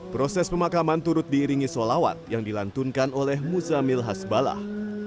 proses pemakaman turut diiringi solawat yang dilantunkan oleh muzamil hasbalah